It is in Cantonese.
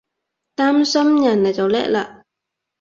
擔心人你就叻喇！